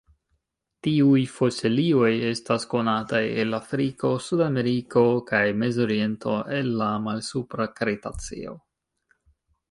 Tiuj fosilioj estas konataj el Afriko, Sudameriko, kaj Mezoriento el la Malsupra Kretaceo.